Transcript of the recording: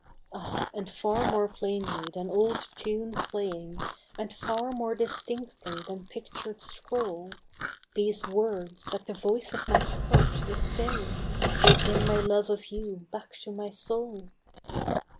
Ah ! and far more plainly than old tunes playing, And far more distinctly than pictured scroll, These words that the voice of my heart is saying Will bring my love of you back to my soul